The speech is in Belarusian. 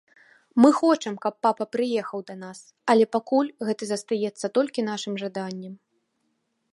Мы хочам, каб папа прыехаў да нас, але пакуль гэта застаецца толькі нашым жаданнем.